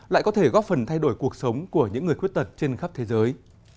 lại có thể góp phần thay đổi cuộc sống của những người khuyết tật trên khắp thế giới